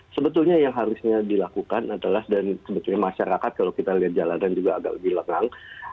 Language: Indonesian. sebetulnya yang harusnya dilakukan adalah dan sebetulnya masyarakat kalau kita lihat jalanan juga agak lebih lengang